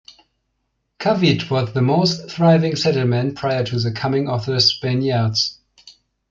Kawit was the most thriving settlement prior to the coming of the Spaniards.